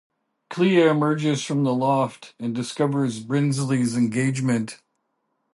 Clea emerges from the loft, and discovers Brindsley's engagement.